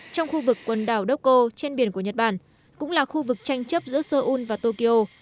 trong khu vực quần đảo dokko trên biển của nhật bản cũng là khu vực tranh chấp giữa seoul và tokyo